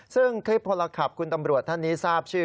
ซึ่งคลิปพลขับคุณตำรวจท่านนี้ทราบชื่อ